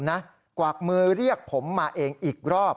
เพราะว่ามีทีมนี้ก็ตีความกันไปเยอะเลยนะครับ